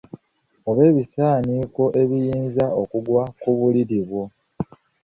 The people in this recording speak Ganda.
Oba ebisaaniiko ebiyinza okugwa ku buliri bwo.